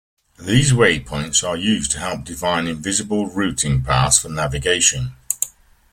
These waypoints are used to help define invisible routing paths for navigation.